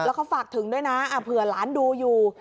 แล้วก็ฝากถึงด้วยนะเผื่อหลานดูอยู่